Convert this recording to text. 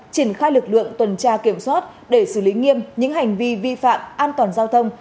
triển khai lực lượng tuần tra kiểm soát để xử lý nghiêm những hành vi vi phạm an toàn giao thông